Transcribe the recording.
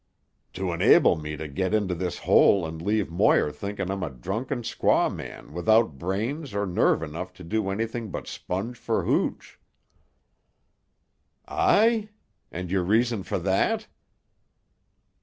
"To enable me to get into his hole and leave Moir thinking I'm a drunken squaw man without brains or nerve enough to do anything but sponge for hooch." "Aye? And your reason for that?"